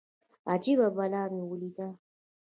اجبه بلا مې وليده.